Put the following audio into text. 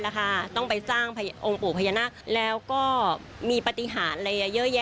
นะคะต้องไปสร้างโองกปูพยนักแล้วก็มีปฏิหารอะไรจะ